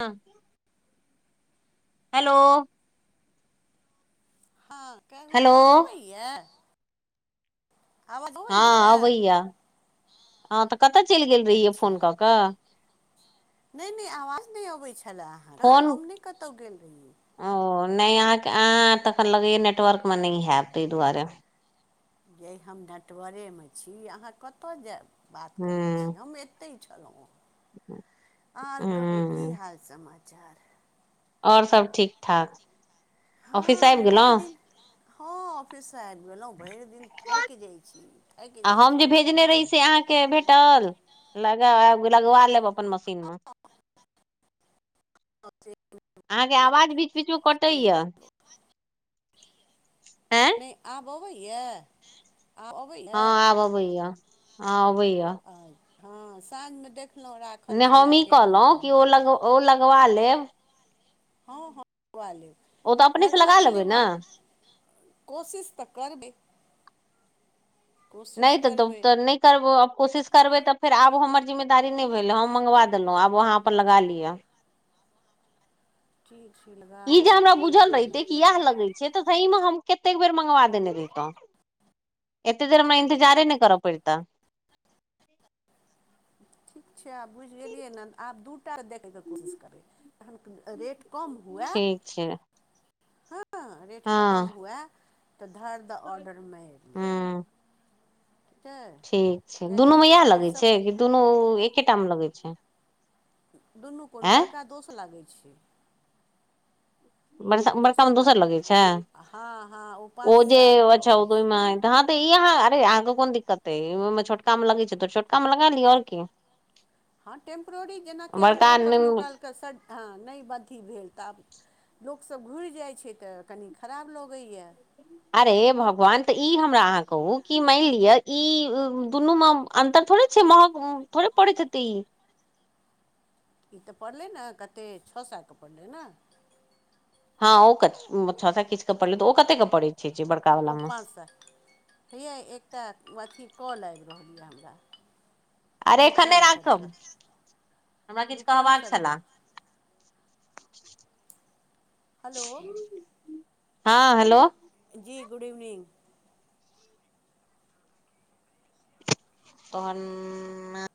हँ हेलो हँ हेलो कहुआवाजबै होयै अबैया हँ अबैया हँ तऽ कतय चलि गेल रहियै अच्छा फोन कऽ केऽ नहि नहि आवाज नहि अबैत छलए फोन हम नहि कतहु गेल रहियै ओ नहि अहाँ तखन लगैय नेटवर्कमे नहि हयब ताहि दुआरे जेहि हम नेटवरेमे छी अहाँ कतय जायब बात करै छी हम अतै छलहुँ हेँ ह आओर कहू की हाल समाचार आओर सब ठीक ठाक ऑफिस आबि हँ भरि गेलहुँ दिन हँ ऑफिससँ आबि गेलहुँ भरि दिन थाकि जाइ छी थाकि जाइ छी भरि दिन के भेटल लग लगवा लेब अपन मशीन मे अ अहाँके आवाज बीच बीच मे कटैया आँ आबबै यए आ हँ आब अबैया हँ अबैया हँ साँझमे देखलहुँ राखल नहि छलए हम ई टेबुल कहलहुँ पर कि ओ लग ओ लगबा लेब हँ हँ लगबा लेब ओ तऽ अपने से लगबा लगा लेबै लेब ने आापस कोशिश तऽ करबे नहि तऽ द करबै तऽ नहि करबब कोशिश करबै तऽ फेर आब हमर जिम्मेदारी नहि भेले हम मंगवा देलहुँ आब वहाँ पर लगा लिअ ची श लगाल बे कि ग दे से तऽ त हम कतेक बेर मंगवा देने रतहु एतेक देर हमरा इन्तजारे नहि कर पड़िता ठीक छै आब बुझि गेलियै ने आब दू टा देखयके कोशिश करबै तखन रेट कम हुए ठीक छै हँ रेट कम हँ हुए तऽ धर द ऑर्डर मरिि लेब हूँ ठीक छै ठीक छै किएकि दुनूमे इएह कोन लगै छै ईसभ कि दुनू एकेटा मे लगै छै दुनू कोन आँय बड़का दोष लागैत छै बड़ा ओ बड़का मे दोसर लागै लगे छै हँ हँ ओ पाँच जे सएके अबै छै अछाहिमे त हँ त ई अहाँ अरे अहाँके कोनिक्कत ह ओहिमे छोटका मे लगै छै तऽ छोटका मे लगा लिय आऔर की [inaudible] हँ टेम्प्रोरी जेनाकि आब ओ कखनोहु बड़का कालके स हँ नहि बद्धि भेल तऽ आब लोकस घुरि जाइ छै तऽ कनी खराब लगैया अरे भगवान तऽ ई हमरा अहाँ कहू कि मानि लिअ ई दुनू मे अन्तर थोड़े छै महग थोड़े पड़े छै त ई ई तऽ पड़लै ने कतेक छओ सएके पड़लै ने हँ ओ छा किछु क पड़ल तऽ ओ कते के पड़े छ बड़का वाला ओ मे पाँच सए हैया एकटा अथी कऽ लागि रहल यए हमरा अरे एखन नहि विक्रम सर् के राखब हमरा किछु विक्रम कहबाक सर् के छलए हेलो हँ हेलो जी गुड इवनिंग तहन [unintelligible]